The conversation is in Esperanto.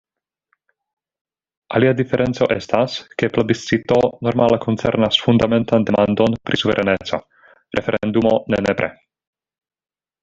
Alia diferenco estas, ke plebiscito normale koncernas fundamentan demandon pri suvereneco, referendumo ne nepre.